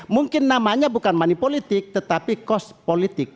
mungkin namanya bukan money politik tetapi cost politik